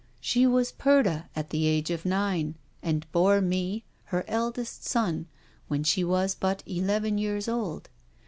She was Purda at the age of nine, and bore me, her eldest born, when she was but eleven years old.